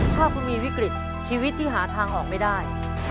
ถ้าคุณมีวิกฤตชีวิตที่หาทางออกไม่ได้